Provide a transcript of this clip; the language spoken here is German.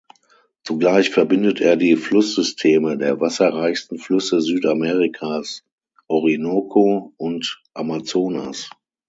Zugleich verbindet er die Flusssysteme der wasserreichsten Flüsse Südamerikas, Orinoco und Amazonas.